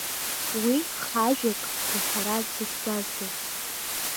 Уи хажәак рҳәара дзыхьӡазгьы…